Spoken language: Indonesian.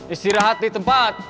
istirahat di tempat